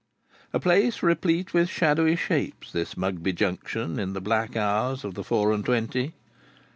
A place replete with shadowy shapes, this Mugby Junction in the black hours of the four and twenty.